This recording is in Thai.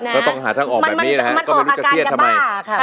ก็ต้องหาทางออกแบบนี้แหละฮะก็ไม่รู้จะเครียดทำไม